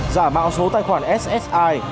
giả mạo số tài khoản ssi